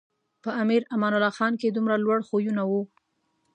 په امیر امان الله خان کې دومره لوړ خویونه و.